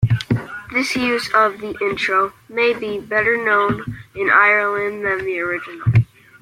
This use of the intro may be better known in Ireland than the original.